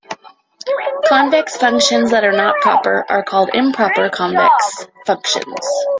Convex functions that are not proper are called "improper convex functions".